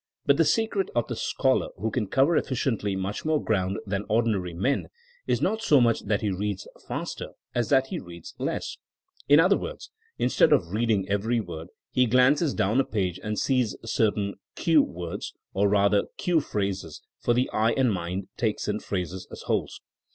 But the secret of the scholar who can cover efficiently much more ground than ordinary men is not so much that he reads faster, as that he reads less. In other words, instead of reading every word he glances down a page and sees cer tain cue'' words or rather cue'* phrases, for the eye and mind take in phrases as wholes.